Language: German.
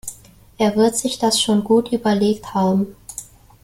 Er wird sich das schon gut überlegt haben.